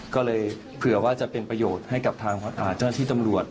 ก็เลยเผื่อว่าจะเป็นประโยชน์ให้กับทางเจ้าหน้าที่ตำรวจ